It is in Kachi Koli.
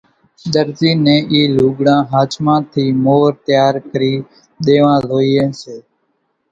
ۮرزي نين اِي لوڳڙان ۿاچمان ٿي مور تيار ڪرين ۮيوان زوئي سي